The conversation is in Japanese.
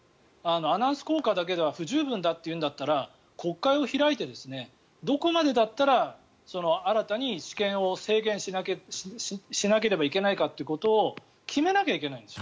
アナウンス効果だけでは不十分だというんなら国会を開いてどこまでだったら新たに私権を制限しなければいけないかってことを決めなきゃいけないんですよ。